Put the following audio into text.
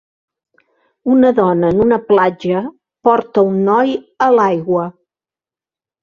Una dona en una platja porta un noi a l'aigua.